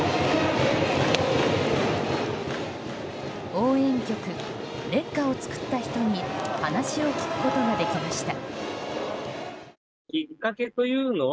応援曲「烈火」を作った人に話を聞くことができました。